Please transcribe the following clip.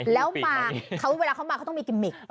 แล้วมาเวลาเขามาเขาต้องมีกิมมิก